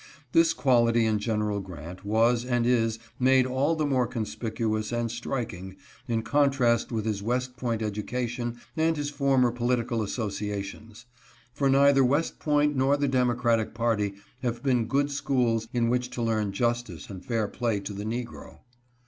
This quality in General Grant was and is made all the more conspicuous and striking in contrast with his West Point education and his former political asso ciations ; for neither West Point nor the Democratic party have been good schools in which to learn justice and fair play to the negro.